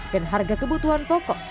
dan harga kebutuhan pokok